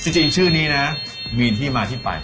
จริงชื่อนี้นะมีที่มาที่ไป